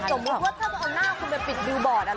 สมมุติว่าถ้าจะเอาหน้าคุณไปปิดบิวบอร์ดอะไร